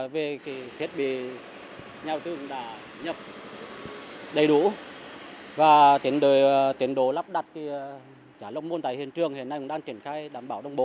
về thiết bị nhau thương đã nhập đầy đủ và tiến độ lắp đặt trả lộng môn tại hiện trường hiện nay cũng đang triển khai đảm bảo đồng bộ